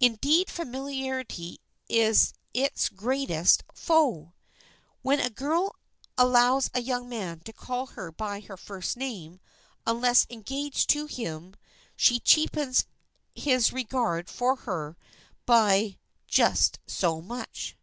Indeed familiarity is its greatest foe. When a young girl allows a young man to call her by her first name, unless engaged to him, she cheapens his regard for her by just so much.